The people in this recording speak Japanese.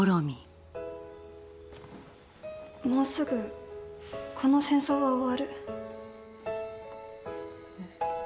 もうすぐこの戦争が終わる。